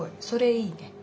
それいいね。